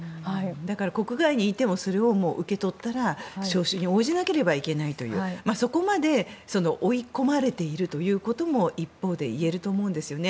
だから国外にいてもそれを受け取ったら招集に応じなければいけないというそこまで追い込まれているということも一方で言えると思うんですね。